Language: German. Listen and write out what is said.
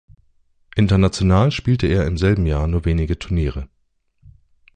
International spielte er im selben Jahr nur wenige Turniere.